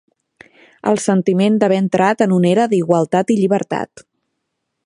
El sentiment d'haver entrat en una era d'igualtat i de llibertat.